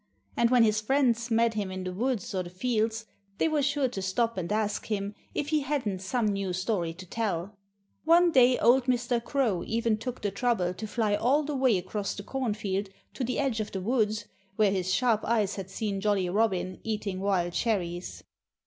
And when his friends met him in the woods or the fields they were sure to stop and ask him if he hadn't some new story to tell. One day old Mr. Crow even took the trouble to fly all the way across the cornfield to the edge of the woods, where his sharp eyes had seen Jolly Robin eating wild cherries.